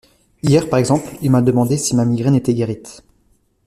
Hier, par exemple, il m’a demandé si ma migraine était guérite.